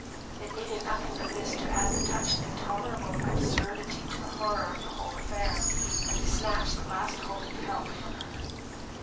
It needed nothing but this to add the touch of intolerable absurdity to the horror of the whole affair, and to snatch the last hope of help from her.